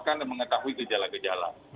kita harus mengetahui gejala gejala